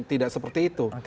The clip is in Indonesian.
tidak seperti itu